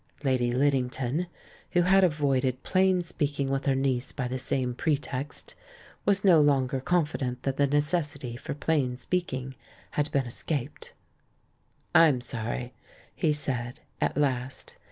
Lady Liddington, who had avoided plain speaking with her niece by the same pretext, was no longer confident that the necessity for plain speaking had been escaped. "I'm sorry," he said, at last.